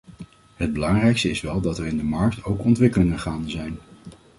Het belangrijkste is wel dat er in de markt ook ontwikkelingen gaande zijn.